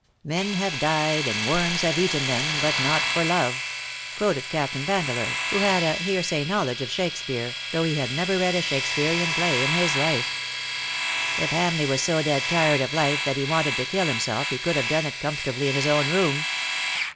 ''^'^ Men have died — and worms have eaten them — but not for love/' quoted Captain Vandeleur^ who had a hearsay knowledge of Shakspeare^ though he had never read a Shakspearian play in his life. ^^If Hamleigh was so dead tired of life that he wanted to kill himself he could have done it com fortably in his own room."